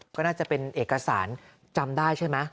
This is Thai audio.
ก็น่าจะเป็นเอกสารจำได้ใช่ไหม